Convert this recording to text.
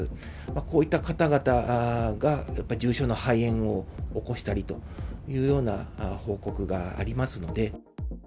こういった方々が、やっぱり重症の肺炎を起こしたりというような報告がありますので。